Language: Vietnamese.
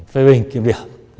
phê bình kiếm điểm